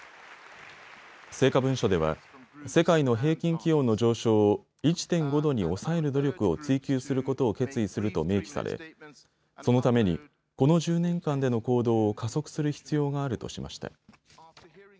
成果文書では世界の平均気温の上昇を１．５度に抑える努力を追求することを決意すると明記されそのために、この１０年間での行動を加速する必要があるとしました。